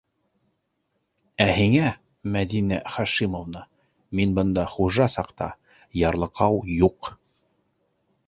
Ә һиңә, Мәҙинә Хашимовна, мин бында хужа саҡта ярлыҡау юҡ!